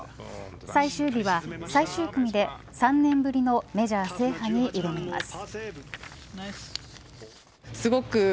最終日は最終組で３年ぶりのメジャー制覇に挑みます。